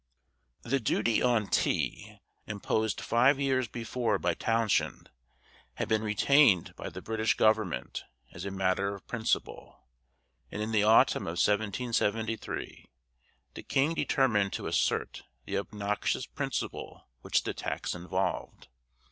The duty on tea, imposed five years before by Townshend, had been retained by the British government as a matter of principle, and in the autumn of 1773 the King determined to assert the obnoxious principle which the tax involved.